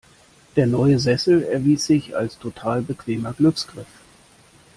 Der neue Sessel erwies sich als total bequemer Glücksgriff.